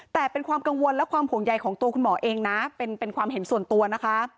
แต่เป็นความกังวลและความห่วงใยของตัวคุณหมอเองนะเป็นความเห็นส่วนตัวนะคะ